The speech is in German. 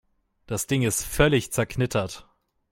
Das Ding ist völlig zerknittert.